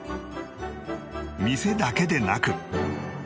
店だけでなく